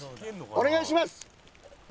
お願いします！